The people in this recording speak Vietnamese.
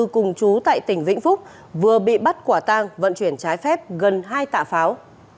cùng chú tại tỉnh vĩnh phúc vừa bị bắt quả tang vận chuyển trái phép gần hai tạ pháo